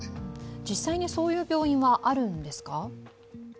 実際にそういう病院はあるんですか？